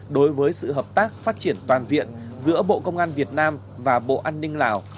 đối với sự hợp tác phát triển toàn diện giữa bộ công an việt nam và bộ an ninh lào